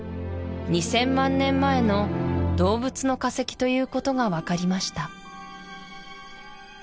２０００万年前の動物の化石ということが分かりました